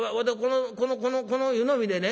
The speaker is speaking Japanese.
この湯飲みでね